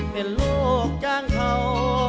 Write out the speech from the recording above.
เป็นลูกจ้างเขา